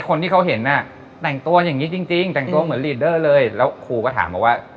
คนที่เขาเห็ณ่าเสร้างตัวอย่างนี้จริงเหมือนลีเตอร์เลยแล้วครูก็ถามว่า